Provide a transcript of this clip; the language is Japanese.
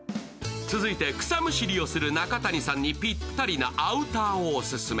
続いて、草むしりをする中谷さんにピッタリなアウターをオススメ。